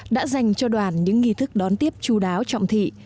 đã dành cho đoàn những nghi thức đón tiếp chú đáo trọng thị